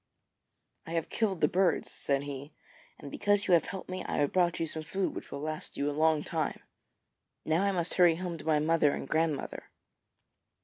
'I have killed the birds,' said he, 'and because you have helped me, I have brought you some food which will last you a long time. Now I must hurry home to my mother and grandmother.'